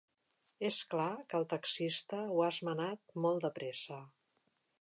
És clar que el taxista ho ha esmenat molt de pressa.